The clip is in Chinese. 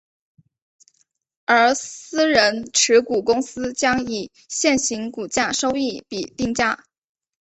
而私人持股公司将以现行股价收益比定价。